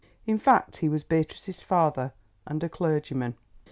In fact he was Beatrice's father, and a clergyman.